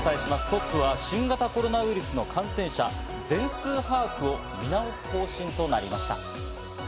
トップは新型コロナウイルスの感染者全数把握を見直す方針となりました。